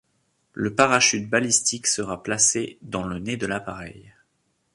Le parachute balistique sera placé dans le nez de l'appareil.